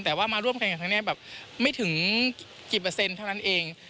แต่ว่ามาร่วมแข่งกับครั้งนี้แบบไม่ถึงกี่เปอร์เซ็นต์เท่านั้นเอง